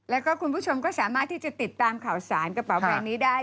แล้วก็คุณผู้ชมก็สามารถที่จะติดตามข่าวสารกระเป๋าแบรนด์นี้ได้